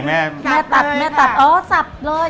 แม่แม่ตัดแม่ตัดอ๋อสับเลย